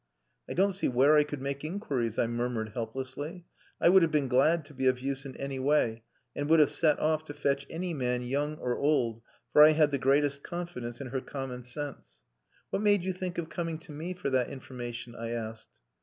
"I don't see where I could make inquiries," I murmured helplessly. I would have been glad to be of use in any way, and would have set off to fetch any man, young or old, for I had the greatest confidence in her common sense. "What made you think of coming to me for that information?" I asked.